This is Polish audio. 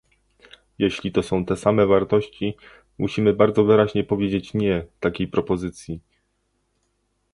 Jeśli to są te same wartości, musimy bardzo wyraźnie powiedzieć "nie" takiej propozycji!